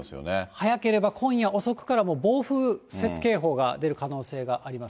早ければ今夜遅くから、もう暴風雪警報が出る可能性がありま